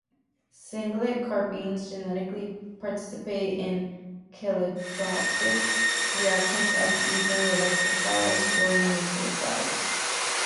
Singlet carbenes generally participate in cheletropic reactions as either electrophiles or nucleophiles.